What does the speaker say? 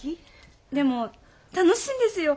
でも楽しいんですよ。